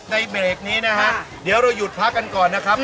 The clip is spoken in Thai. เบรกนี้นะฮะเดี๋ยวเราหยุดพักกันก่อนนะครับ